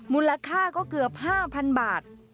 มูลค่าก็เกือบ๕๐๐๐บาท